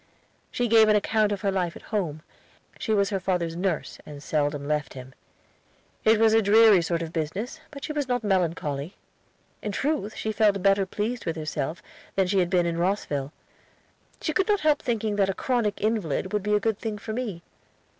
She gave an account of her life at home. She was her father's nurse, and seldom left him. It was a dreary sort of business, but she was not melancholy. In truth, she felt better pleased with herself than she had been in Rosville. She could not help thinking that a chronic invalid would be a good thing for me.